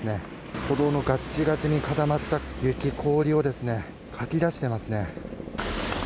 歩道のガチガチに固まった雪、氷をかき出していますね。